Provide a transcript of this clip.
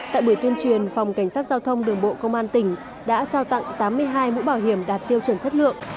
tại buổi tuyên truyền phòng cảnh sát giao thông đường bộ công an tỉnh đã trao tặng tám mươi hai mũ bảo hiểm đạt tiêu chuẩn chất lượng